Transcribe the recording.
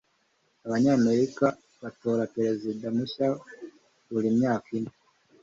Abanyamerika batora perezida mushya buri myaka ine.